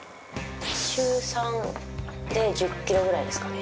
週３で１０キロぐらいですかね。